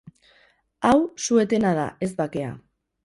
Hau su etena da, ez bakea.